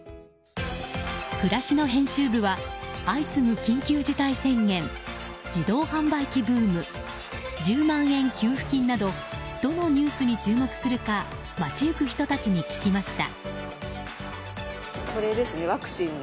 暮らしの編集部は相次ぐ緊急事態宣言自動販売機ブーム１０万円給付金などどのニュースに注目するか街行く人たちに聞きました。